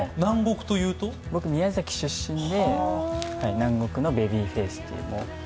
僕宮崎出身で、南国のベビーフェイスという。